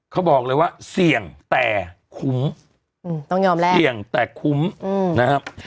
เขาบอกเลยว่าเสี่ยงแต่คุ้มต้องยอมแลกเสี่ยงแต่คุ้มนะครับ